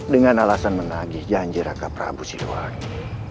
dengan alasan menagih janji raka prabu siliwangi